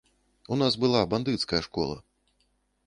У нас была бандыцкая школа.